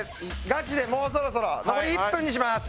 ガチでもうそろそろ残り１分にします。